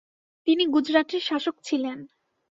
তিনি গুজরাটের শাসক ছিলেন।